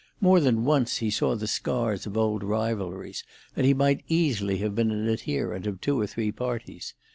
More than once he saw the scars of old rivalries, and he might easily have been an adherent of two or three parties.